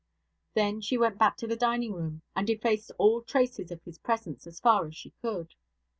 Then she went back into the dining room, and effaced all traces of his presence, as far as she could.